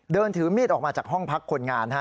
เดินถือมีดออกมาจากห้องพักคนงาน